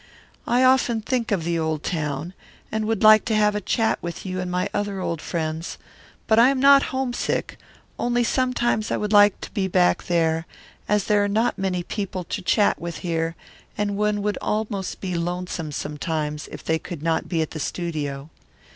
I often think of the old town, and would like to have a chat with you and my other old friends, but I am not homesick, only sometimes I would like to be back there, as there are not many people to chat with here and one would almost be lonesome sometimes if they could not be at the studio.